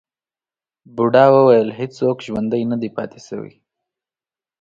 بوډا وویل هیڅوک ژوندی نه دی پاتې شوی.